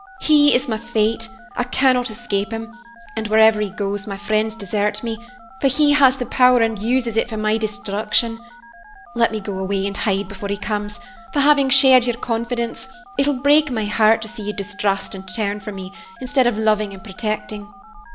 He is my fate; I cannot escape him, and wherever he goes my friends desert me; for he has the power and uses it for my destruction. Let me go away and hide before he comes, for, having shared your confidence, it will break my heart to see you distrust and turn from me, instead of loving and protecting."